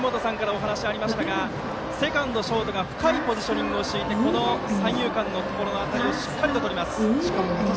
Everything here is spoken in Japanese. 今、杉本さんからお話がありましたがセカンド、ショートが深いポジショニングを敷いてこの三遊間のところの辺りをしっかり守ります。